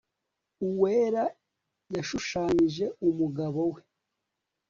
uwera yashushanyije umugabo we